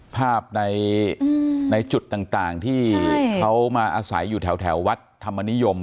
ภาพในจุดต่างที่เขามาอาศัยอยู่แถววัดธรรมนิยม